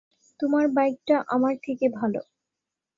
তোমার বাইকটা আমারটা থেকে ভাল।